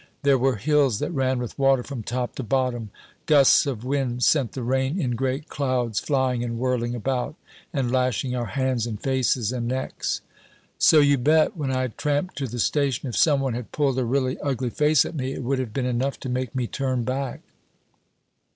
There were hills that ran with water from top to bottom. Gusts of wind sent the rain in great clouds flying and whirling about, and lashing our hands and faces and necks. "So you bet, when I had tramped to the station, if some one had pulled a really ugly face at me, it would have been enough to make me turn back.